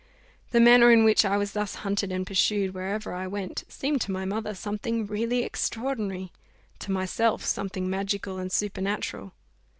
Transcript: The manner in which I was thus haunted and pursued wherever I went, seemed to my mother something "really extraordinary;" to myself, something magical and supernatural.